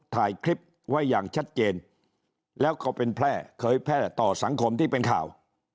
ถ่ายคลิปไว้อย่างชัดเจนแล้วก็เป็นแพร่เคยแพร่ต่อสังคมที่เป็นข่าว